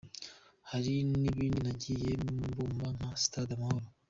Hari n’ibindi nagiye mbumba nka Stade amahoro.